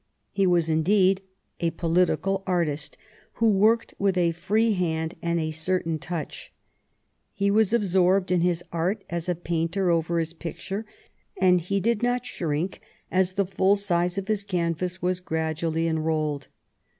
He was indeed a political artist, who worked with a free hand and a certain touch. He was absorbed in his art as a painter over his picture, and he did not shrink as the full size of his canvas was gradually enrolled.